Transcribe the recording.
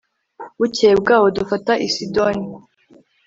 bukeye bw'aho dufata i sidoni